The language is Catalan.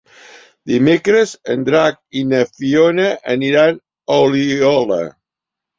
Dimecres en Drac i na Fiona aniran a Oliola.